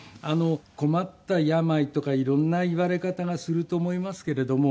困った病とか色んな言われ方がすると思いますけれども。